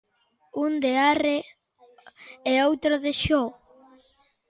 Un de "arre!" e outro de "xo!".